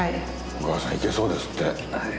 小川さんいけそうですって。